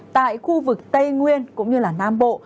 tại khu vực tây nguyên cũng như nam bộ